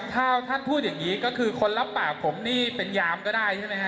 ถ้าท่านพูดอย่างนี้ก็คือคนรับปากผมนี่เป็นยามก็ได้ใช่ไหมฮ